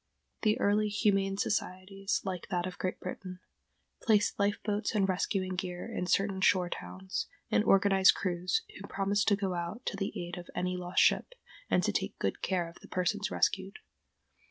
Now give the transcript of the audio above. The early humane societies, like that of Great Britain, placed life boats and rescuing gear in certain shore towns, and organized crews, who promised to go out to the aid of any lost ship, and to take good care of the persons rescued.